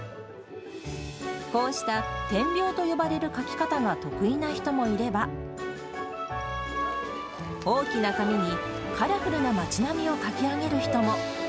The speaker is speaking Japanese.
こうした点描と呼ばれる描き方が得意な人もいれば、大きな紙にカラフルな街並みを描き上げる人も。